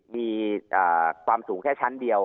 มีความสูงแค่ชั้นเดียว